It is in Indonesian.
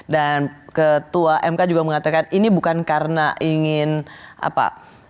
dan ketua mk juga mengatakan ini bukan karena ingin apa